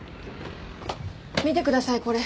見てくださいこれ。